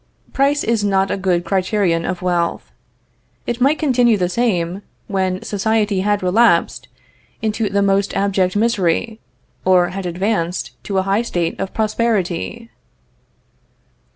Price is not a good criterion of wealth. It might continue the same when society had relapsed into the most abject misery, or had advanced to a high state of prosperity.